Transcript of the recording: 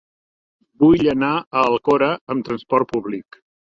Vull anar a l'Alcora amb transport públic.